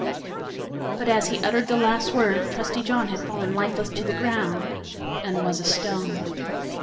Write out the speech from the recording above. But as he uttered the last word Trusty John had fallen lifeless to the ground, and was a stone.